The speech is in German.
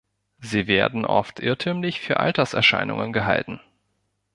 Sie werden oft irrtümlich für Alterserscheinungen gehalten.